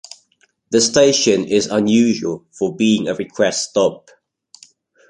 The station is unusual for being a request stop.